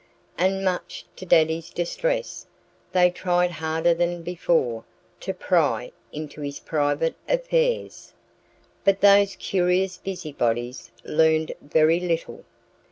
And much to Daddy's distress they tried harder than before to pry into his private affairs. But those curious busybodies learned very little.